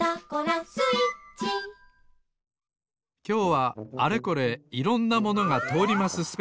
きょうはあれこれいろんなものがとおります